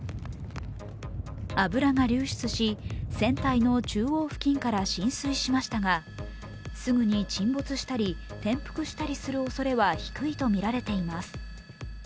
油が流出し船体の中央付近から浸水しましたがすぐに沈没したり、転覆したりするおそれは低いとみられています。